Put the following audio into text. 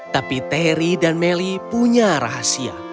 tapi terry dan melly punya rahasia